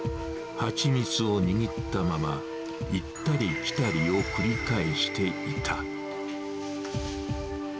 蜂蜜を握ったまま、行ったり来たりを繰り返していた。